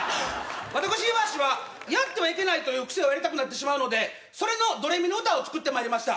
私岩橋はやってはいけないというクセをやりたくなってしまうのでそれの『ドレミの歌』を作って参りました。